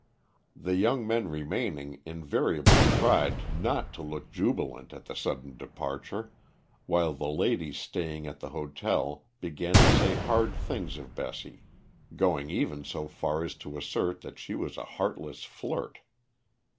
The young men remaining invariably tried not to look jubilant at the sudden departure, while the ladies staying at the hotel began to say hard things of Bessie, going even so far as to assert that she was a heartless flirt.